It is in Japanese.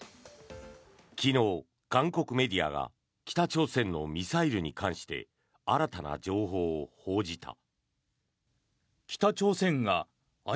昨日、韓国メディアが北朝鮮のミサイルに関して新たな情報を報じた。